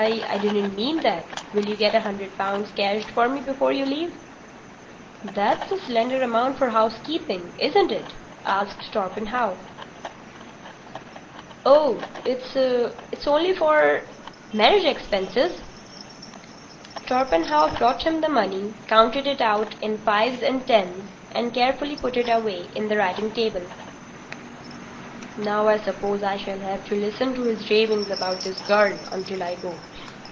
"I didn't mean that. Will you get a hundred pounds cashed for me before you leave?" "That's a slender amount for housekeeping, isn't it?" "Oh, it's only for—marriage expenses." Torpenhow brought him the money, counted it out in fives and tens, and carefully put it away in the writing table. "Now I suppose I shall have to listen to his ravings about his girl until I go.